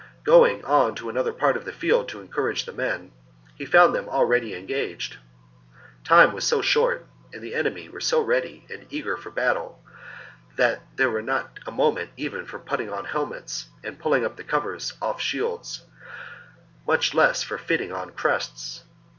Going on to another part of the field to encourage the men, he found them already en gaged. Time was so short, and the enemy were so ready and eager for battle that there was not a moment even for 'putting on helmets and pulling the covers off shields, much less for fitting on crests.